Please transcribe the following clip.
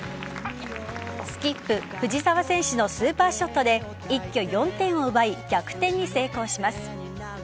スキップ・藤澤選手のスーパーショットで一挙４点を奪い逆転に成功します。